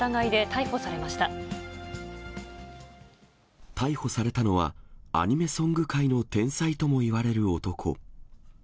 逮捕されたのは、アニメソング界の天才ともいわれる男。